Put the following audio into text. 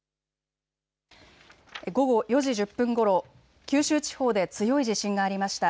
午後４時１０分ごろ、九州地方で強い地震がありました。